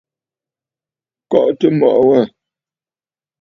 Kɔʼɔtə mɔʼɔ wâ.